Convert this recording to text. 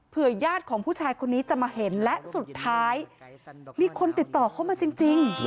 ญาติของผู้ชายคนนี้จะมาเห็นและสุดท้ายมีคนติดต่อเข้ามาจริง